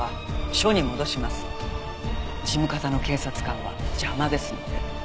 事務方の警察官は邪魔ですので。